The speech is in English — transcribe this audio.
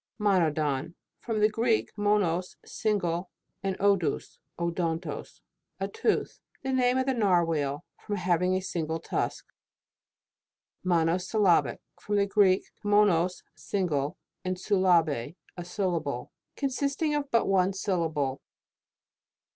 MONODON. From the Greek, monos, single, and odous, o'dontos, a tooth. The name of the Narwhal, from having a single tusk. MONOSYLLABIC. From the Greek, mo nos, single, and sullabe, a sylable. Consisting of but one syllable.